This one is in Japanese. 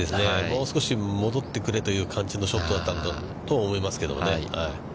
もう少し戻ってくれという感じのショットだったと思いますけどもね。